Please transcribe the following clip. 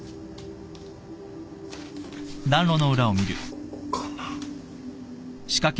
ここかな？